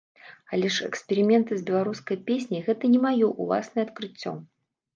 Але ж эксперыменты з беларускай песняй гэта не маё ўласнае адкрыццё.